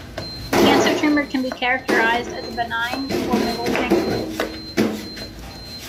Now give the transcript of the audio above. A Cancer tumor can be characterized as a benign or malignant growth.